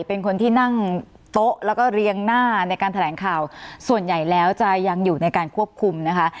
เป็นคนที่นั่งโต๊ะแล้วก็เรียงหน้าในการแถลงข่าวส่วนใหญ่แล้วจะยังอยู่ในการควบคุมนะคะ